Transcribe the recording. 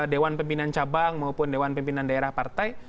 dewan pemimpinan cabang maupun dewan pemimpinan daerah partai